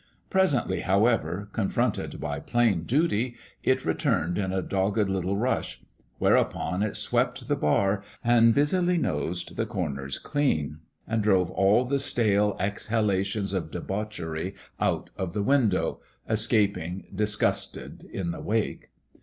Presently, however, con fronted by plain duty, it returned in a dogged little rush : whereupon it swept the bar, and busily nosed the corners clean, and drove all the stale exhalations of debauchery out of the window, escaping disgusted in the wake.